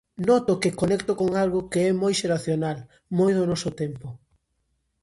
Noto que conecto con algo que é moi xeracional, moi do noso tempo.